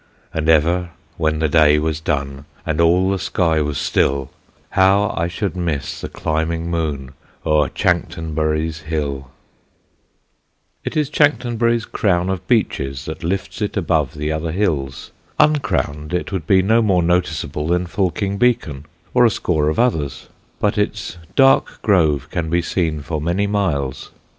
And ever when the day was done, And all the sky was still, How I should miss the climbing moon O'er Chanctonbury's hill! [Sidenote: CHANCTONBURY RING] It is Chanctonbury's crown of beeches that lifts it above the other hills. Uncrowned it would be no more noticeable than Fulking Beacon or a score of others; but its dark grove can be seen for many miles.